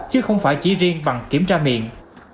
chứ không phải chỉ riêng bằng kiểm tra miệng